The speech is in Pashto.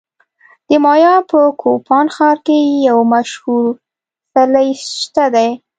د مایا په کوپان ښار کې یو مشهور څلی شته دی